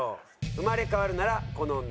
生まれ変わるならこの女。